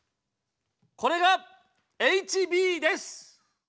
これがＨＢです！